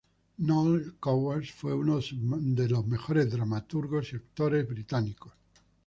Noël Coward, fue uno de los mejores dramaturgos y actores británicos.